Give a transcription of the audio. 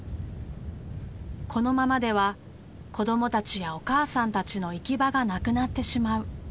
このままでは子どもたちやお母さんたちの行き場がなくなってしまう。